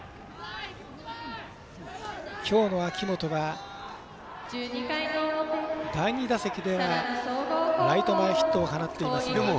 きょうの秋元は第２打席ではライト前ヒットを放っていました。